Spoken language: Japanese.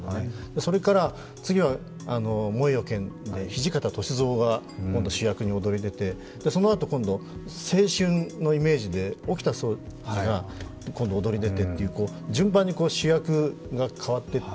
それから次は「燃えよ剣」で土方歳三が主役に躍り出てそのあと今度、青春のイメージで沖田総司が今度は躍り出てという、順番に主役が変わっていって。